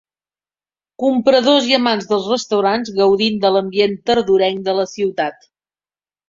Compradors i amants dels restaurants gaudint de l'ambient tardorenc de la ciutat.